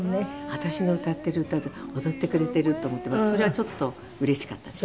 私の歌っている歌で踊ってくれていると思ってそれはちょっとうれしかったです。